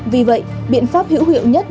vì vậy biện pháp hữu hiệu nhất